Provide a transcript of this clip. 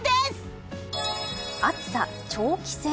暑さ長期戦。